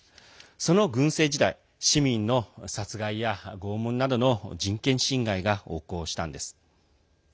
その軍政時代市民の殺害や拷問などの人権侵害が横行したのです。